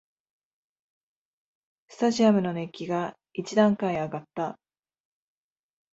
スタジアムの熱気が一段階あがった